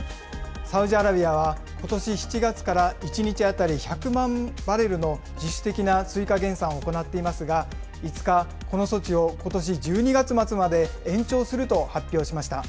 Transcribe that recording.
サウジアラビアはことし７月から１日当たり１００万バレルの自主的な追加減産を行っていますが、５日、この措置をことし１２月末まで延長すると発表しました。